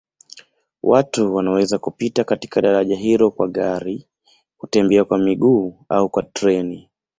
Watu wanaweza kupita katika daraja hilo kwa gari, kutembea kwa miguu au kwa treni.